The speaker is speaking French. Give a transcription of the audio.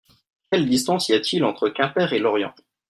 Quelle distance y a-t-il entre Quimper et Lorient ?